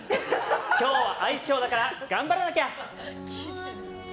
今日はアイスショーだから頑張らなくちゃ！